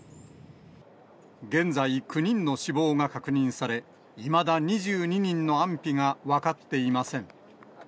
現在、９人の死亡が確認され、いまだ２２人の安否が分かっていません。